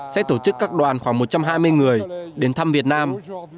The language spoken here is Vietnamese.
sẽ tổ chức các đoàn khoảng một trăm hai mươi người đến thăm việt nam